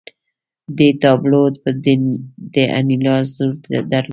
دې تابلو د انیلا انځور درلود